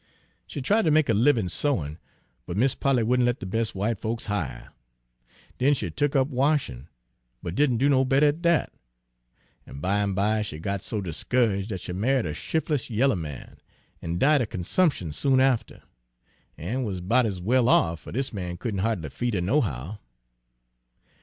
She tried ter make a livin' sewin', but Mis' Polly wouldn' let de bes' w'ite folks hire her. Den she tuck up washin', but didn' do no better at dat; an' bimeby she got so discourage' dat she ma'ied a shif'less yaller man, an' died er consumption soon after, an' wuz 'bout ez well off, fer dis man couldn' hardly feed her nohow."